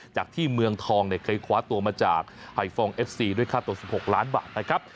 จากที่เมืองทองเนี่ยเคยคว้าตัวมาจากไฮฟองเอฟซีด้วยค่าตัว๑๖ล้านบาทนะครับ